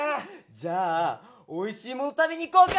じゃあおいしいもの食べに行こうか！